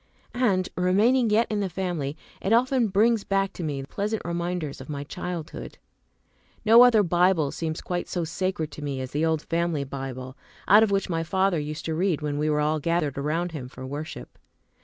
And, remaining yet in the family, it often brings back to me pleasant reminders of my childhood. No other Bible seems quite so sacred to me as the old Family Bible, out of which my father used to read when we were all gathered around him for worship.